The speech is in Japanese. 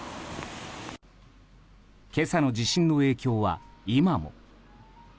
今朝の地震の影響は今も。